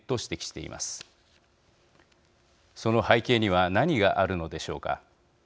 その背景には何があるのでしょうか。